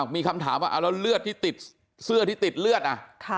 มีคำถามว่าเอาแล้วเลือดที่ติดเสื้อที่ติดเลือด